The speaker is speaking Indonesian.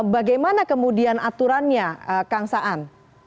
bagaimana kemudian aturannya kang saan